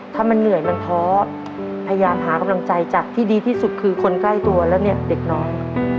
ถ้ามันเหนื่อยมันท้อพยายามหากำลังใจจากที่ดีที่สุดคือคนใกล้ตัวแล้วเนี่ยเด็กน้อย